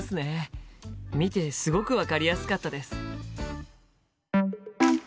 見てすごく分かりやすかったです。